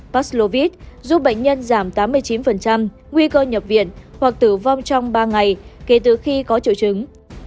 paslovit giúp bệnh nhân giảm tám mươi chín nguy cơ nhập viện hoặc tử vong trong ba ngày kể từ khi có triệu chứng